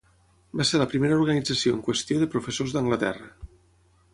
Va ser la primera organització en qüestió de professors d"Anglaterra.